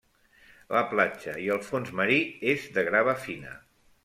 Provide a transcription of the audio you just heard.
La platja i el fons marí és de grava fina.